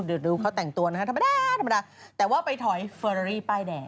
ดูเขาแต่งตัวนะธรรมดาแต่ว่าไปถอยเฟอร์รารีป้ายแดง